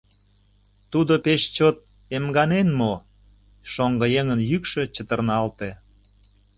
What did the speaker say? — Тудо пеш чот... эмганен мо? — шоҥгыеҥын йӱкшӧ чытырналте.